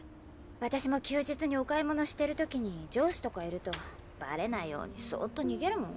私も休日にお買い物してるときに上司とかいるとバレないようにそっと逃げるもん。